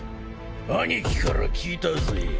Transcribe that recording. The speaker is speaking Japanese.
兄貴から聞いたぜ。